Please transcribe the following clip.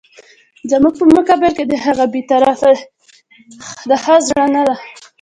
زموږ په مقابل کې د هغه بې طرفي د ښه زړه نه ده.